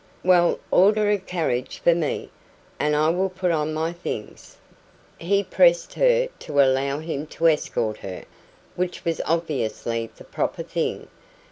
"Well, order a carriage for me, and I will put on my things." He pressed her to allow him to escort her, which was obviously the proper thing.